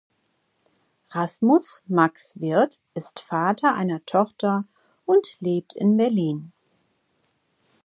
Rasmus Max Wirth ist Vater einer Tochter und lebt in Berlin.